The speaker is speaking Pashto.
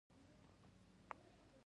د انسان بدن څو فیصده اوبه دي؟